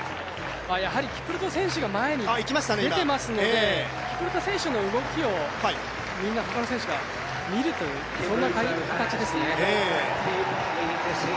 キプルト選手が前に出てますのでキプルト選手の動きをみんなほかの選手が見るというそんな形ですね。